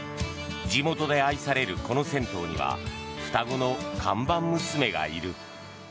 地元で愛されるこの銭湯には双子の看板娘がいる。